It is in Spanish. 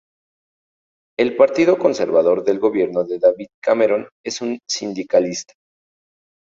El partido conservador del gobierno de David Cameron es un sindicalista.